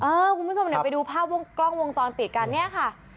คุณผู้ชมเดี๋ยวไปดูภาพวงกล้องวงจรปิดกันเนี่ยค่ะ